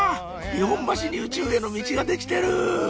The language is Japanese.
日本橋に宇宙へのミチが出来てる！